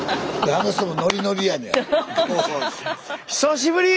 あの人もノリノリやねん。